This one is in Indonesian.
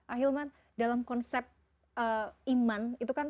ahilman dalam konsep iman